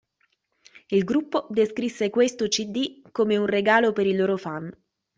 Il gruppo descrisse questo cd come un "regalo" per i loro fans.